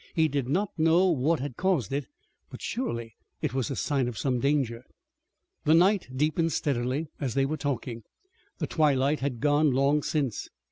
He did not know what had caused it, but surely it was a sign of some danger. The night deepened steadily as they were talking. The twilight had gone long since.